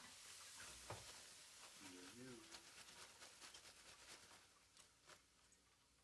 Berenson viewed the sport as "a complete educational experience".